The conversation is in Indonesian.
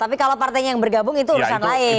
tapi kalau partainya yang bergabung itu urusan lain